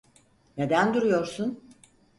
Neden duruyorsun?